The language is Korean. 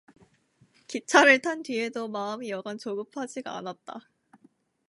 기차를 탄 뒤에도 마음이 여간 조급하지가 않았다.